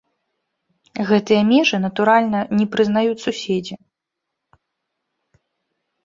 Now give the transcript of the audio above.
Гэтыя межы, натуральна, не прызнаюць суседзі.